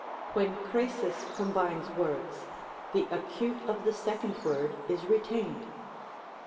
When crasis combines words, the acute of the second word is retained.